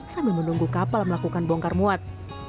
sambil menunggu kapal melakukan bongkar muat